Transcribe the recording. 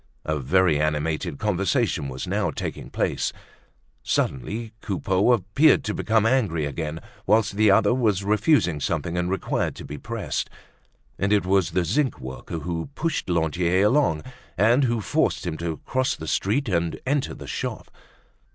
A very animated conversation was now taking place. Suddenly Coupeau appeared to become angry again, whilst the other was refusing something and required to be pressed. And it was the zinc worker who pushed Lantier along and who forced him to cross the street and enter the shop.